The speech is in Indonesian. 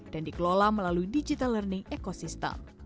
dan dikelola melalui digital learning ekosistem